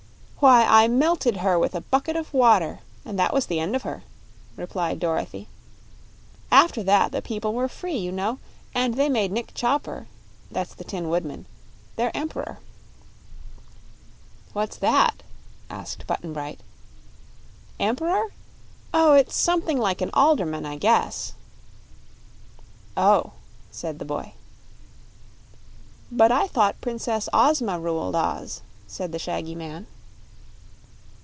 "Why, I melted her with a bucket of water, and that was the end of her," replied Dorothy. "After that the people were free, you know, and they made Nick Chopper that's the Tin Woodman their Emp'ror." "What's that?" asked Button Bright. "Emp'ror? Oh, it's something like an alderman, I guess." "Oh," said the boy. "But I thought Princess Ozma ruled Oz," said the shaggy man.